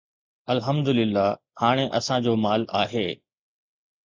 الحمدلله هاڻي اسان جو مال آهي